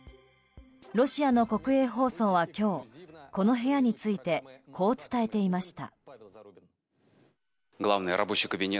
ロシアの国営放送は今日この部屋についてこう伝えていました。